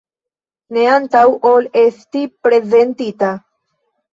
Ne antaŭ ol esti prezentita.